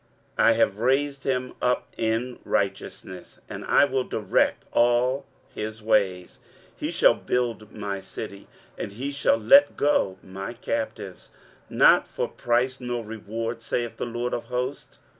23:045:013 I have raised him up in righteousness, and I will direct all his ways: he shall build my city, and he shall let go my captives, not for price nor reward, saith the LORD of hosts.